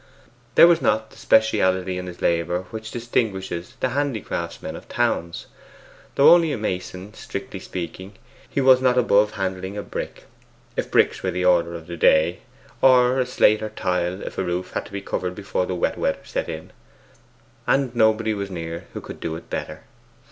There was not the speciality in his labour which distinguishes the handicraftsmen of towns. Though only a mason, strictly speaking, he was not above handling a brick, if bricks were the order of the day; or a slate or tile, if a roof had to be covered before the wet weather set in, and nobody was near who could do it better.